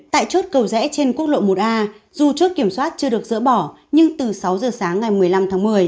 tại chốt cầu rẽ trên quốc lộ một a dù chốt kiểm soát chưa được dỡ bỏ nhưng từ sáu giờ sáng ngày một mươi năm tháng một mươi